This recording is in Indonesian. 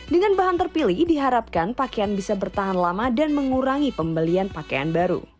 dengan bahan terpilih diharapkan pakaian bisa bertahan lama dan mengurangi pembelian pakaian baru